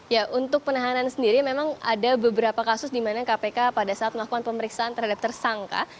ya untuk penahanan sendiri memang ada beberapa kasus di mana kpk pada saat melakukan pemeriksaan terhadap tersangka